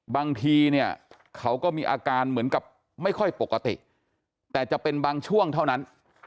บางทีเนี่ยเขาก็มีอาการเหมือนกับไม่ค่อยปกติแต่จะเป็นบางช่วงเท่านั้น